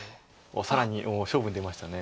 更に勝負に出ました。